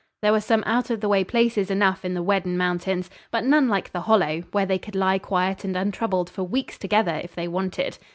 There were some out of the way places enough in the Weddin Mountains, but none like the Hollow, where they could lie quiet and untroubled for weeks together, if they wanted.